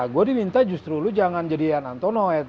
gue diminta justru lu jangan jadian antonoed